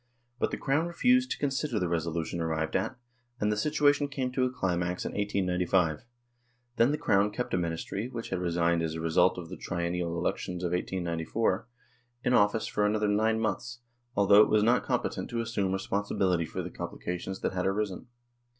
But the Crown refused to consider the resolution arrived at, and^ the situation came to a climax in 1895 ; then the Crown kept a Ministry, which had resigned as a result of the tri ennial elections in 1894, in office for another nine months, although it was not competent to assume responsibility for the complications that had arisen.